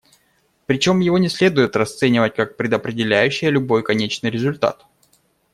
Причем его не следует расценивать как предопределяющее любой конечный результат.